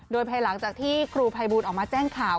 โดยภายหลังจากที่ครูภัยบูลออกมาแจ้งข่าว